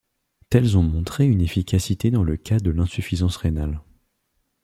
Telles ont montré une efficacité dans le cas de l'insuffisance rénale.